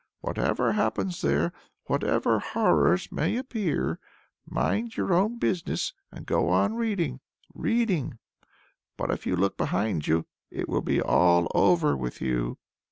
Whatever happens there, whatever horrors may appear, mind your own business and go on reading, reading. But if you look behind you, it will be all over with you!"